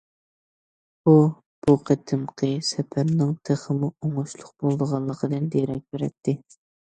بۇ، بۇ قېتىمقى سەپەرنىڭ تېخىمۇ ئوڭۇشلۇق بولىدىغانلىقىدىن دېرەك بېرەتتى.